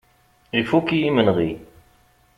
Ifuk yimenɣi.